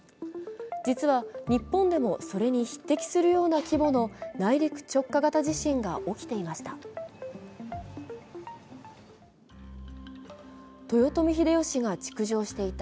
実は日本でもそれに匹敵するような規模の内陸・直下型地震が起きていました。